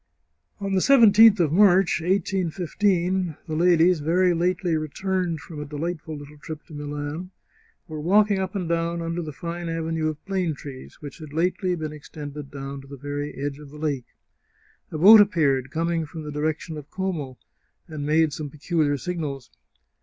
On the 17th of March, 1815, the ladies, very lately re turned from a delightful little trip to Milan, were walking up and down under the fine avenue of plane trees which had lately been extended down to the very edge of the lake, A boat appeared, coming from the direction of Como, ancl made some peculiar signals.